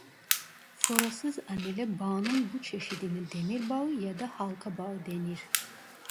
Forasız anele bağının bu çeşidine demir bağı ya da halka bağı denir.